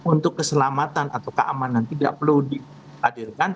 untuk keselamatan atau keamanan tidak perlu dihadirkan